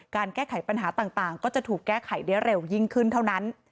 การแก้ไขปัญหาต่างก็จะถูกแก้ไขได้เร็วยิ่งขึ้นเท่านั้น